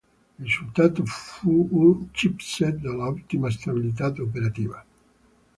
Il risultato fu un chipset dall'ottima stabilità operativa.